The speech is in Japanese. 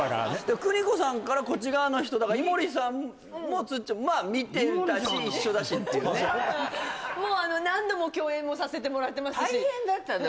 邦子さんからこっち側の人だから井森さんもまあ見てたし一緒だしっていうねもう何度も共演もさせてもらってますし大変だったんだよ